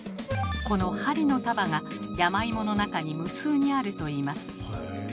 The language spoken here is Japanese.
この針の束が山芋の中に無数にあるといいます。